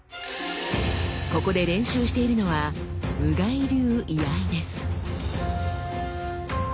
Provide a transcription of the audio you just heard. ここで練習しているのは「無外流居合」です。